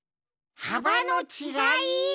はばのちがい？